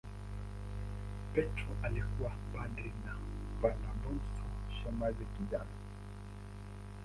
Petro alikuwa padri na Valabonso shemasi kijana.